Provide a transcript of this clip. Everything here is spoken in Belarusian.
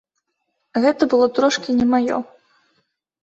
Гэта было трошкі не маё.